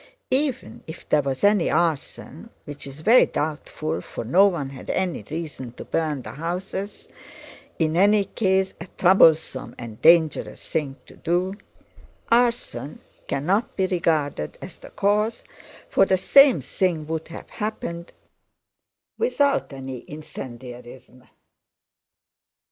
Even if there was any arson (which is very doubtful, for no one had any reason to burn the houses—in any case a troublesome and dangerous thing to do), arson cannot be regarded as the cause, for the same thing would have happened without any incendiarism. * To Rostopchín's ferocious patriotism.